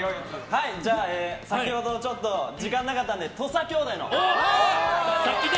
先ほど、時間がなかったので土佐兄弟のお二人。